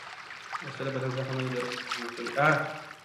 وسله د بدن زخم نه، د روح زخم ورکوي